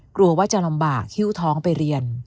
กลัวว่าจะลำบากหิ้วท้องไปเรียน